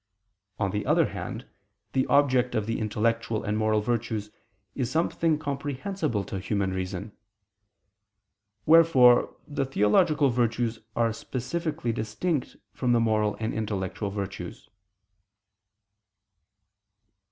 On the other hand, the object of the intellectual and moral virtues is something comprehensible to human reason. Wherefore the theological virtues are specifically distinct from the moral and intellectual virtues.